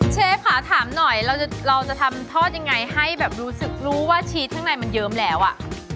เชฟค่ะถามหน่อยเราจะทำทอดยังไงให้แบบรู้สึกรู้ว่าชีสข้างในมันเยิ้มแล้วอ่ะ